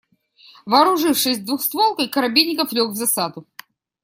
Вооружившись двустволкой, Коробейников лёг в засаду.